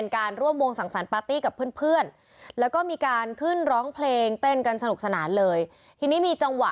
กับเพื่อนแล้วก็มีการขึ้นร้องเพลงเต้นกันสนุกสนานเลยทีนี้มีจังหวะ